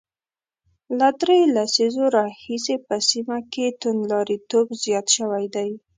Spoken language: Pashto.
له درېو لسیزو راهیسې په سیمه کې توندلاریتوب زیات شوی دی